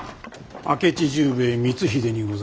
明智十兵衛光秀にござりまする。